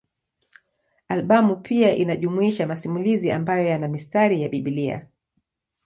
Albamu pia inajumuisha masimulizi ambayo yana mistari ya Biblia.